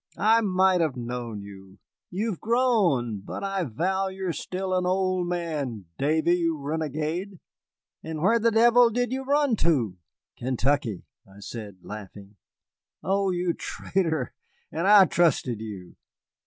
I might have known you you've grown, but I vow you're still an old man, Davy, you renegade. And where the devil did you run to?" "Kentucky," I said, laughing. "Oh, you traitor and I trusted you.